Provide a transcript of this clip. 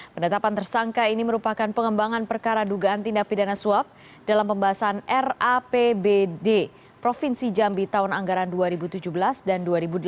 penetapan tersangka ini merupakan pengembangan perkara dugaan tindak pidana suap dalam pembahasan rapbd provinsi jambi tahun anggaran dua ribu tujuh belas dan dua ribu delapan belas